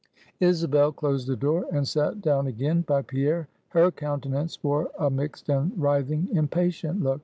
Isabel closed the door, and sat down again by Pierre. Her countenance wore a mixed and writhing, impatient look.